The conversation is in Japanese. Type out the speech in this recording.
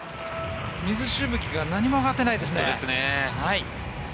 水しぶきが何も上がっていない。